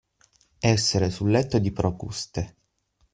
Essere sul letto di Procuste.